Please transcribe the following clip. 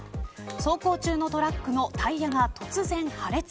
走行中のトラックのタイヤが突然破裂。